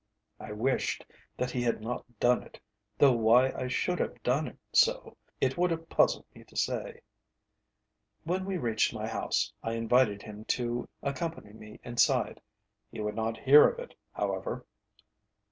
I wished that he had not done it, though why I should have done so, it would have puzzled me to say. When we reached my house, I invited him to accompany me inside; he would not hear of it, however.